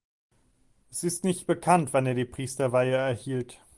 Es ist nicht bekannt, wann er die Priesterweihe erhielt.